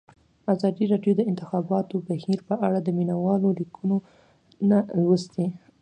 ازادي راډیو د د انتخاباتو بهیر په اړه د مینه والو لیکونه لوستي.